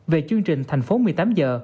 về chương trình thành phố một mươi tám h